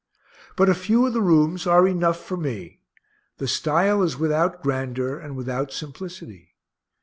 But a few of the rooms are enough for me the style is without grandeur, and without simplicity.